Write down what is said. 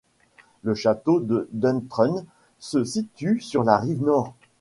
Le château de Duntrune se situe sur la rive nord.